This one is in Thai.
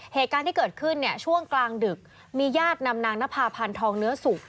เหตุการณ์ที่เกิดขึ้นเนี่ยช่วงกลางดึกมีญาตินำนางนภาพันธองเนื้อสุก